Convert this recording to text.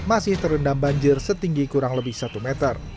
masih terendam banjir setinggi kurang lebih satu meter